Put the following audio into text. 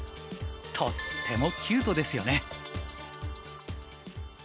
とってもキュートですよね。